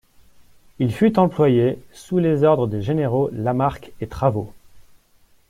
Il fut employé sous les ordres des généraux Lamarque et Travot.